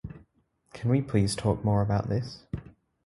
Can we please talk more about this?